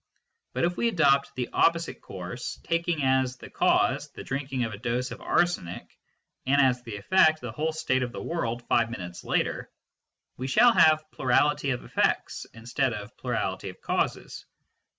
But if we adopt the opposite course, taking as the " cause " the drinking of a dose of arsenic, and as the " effect " the whole state of the world five minutes later, we shall have plurality of effects instead of plurality of causes.